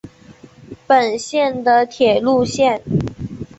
本线的铁路线。